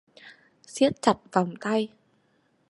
Xiết chặt vòng tay